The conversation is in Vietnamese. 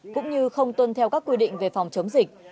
cũng như không tuân theo các quy định về phòng chống dịch